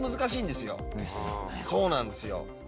そうなんですよ。